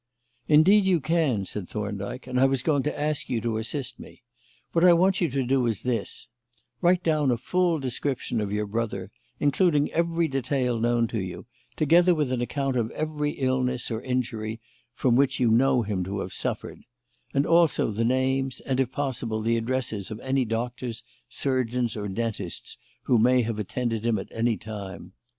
"Indeed you can," said Thorndyke, "and I was going to ask you to assist me. What I want you to do is this: Write down a full description of your brother, including every detail known to you, together with an account of every illness or injury from which you know him to have suffered; and also the names and, if possible, the addresses of any doctors, surgeons, or dentists who may have attended him at any time.